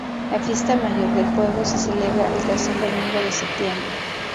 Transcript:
La fiesta mayor del pueblo se celebra el tercer domingo de septiembre.